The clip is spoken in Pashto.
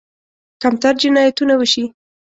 کمتر جنایتونه وشي.